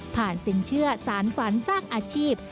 สินเชื่อสารฝันสร้างอาชีพ